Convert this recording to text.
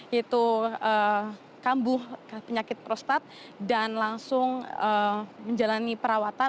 yaitu kambuh penyakit prostat dan langsung menjalani perawatan